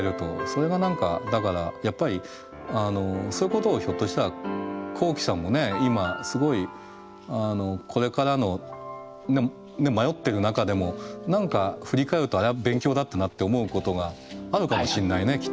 それはだからやっぱりそういうことをひょっとしたらこうきさんもね今すごいこれからの迷ってる中でも何か振り返るとあれは勉強だったなって思うことがあるかもしんないねきっとね。